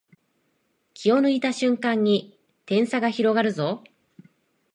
気を抜いた瞬間に点差が広がるぞ